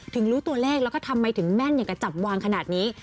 รู้ตัวเลขแล้วก็ทำไมถึงแม่นอย่างกับจับวางขนาดนี้